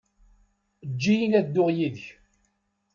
Eǧǧ-iyi ad dduɣ yid-k.